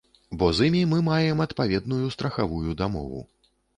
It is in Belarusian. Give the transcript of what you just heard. Бо з імі мы маем адпаведную страхавую дамову.